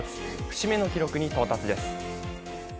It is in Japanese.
節目の記録に到達です。